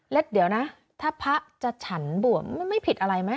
แล้วเดี๋ยวนะถ้าพระจะฉันบวชมันไม่ผิดอะไรไหม